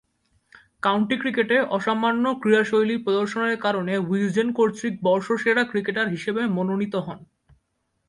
County ক্রিকেটে অসামান্য ক্রীড়াশৈলী প্রদর্শনের কারণে উইজডেন কর্তৃক বর্ষসেরা ক্রিকেটার হিসেবে মনোনীত হন।